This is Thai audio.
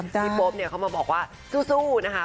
พี่โป๊ปเข้ามาบอกว่าสู้นะฮะ